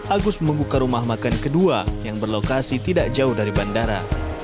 agus membuka rumah makan kedua yang berlokasi tidak jauh dari bandara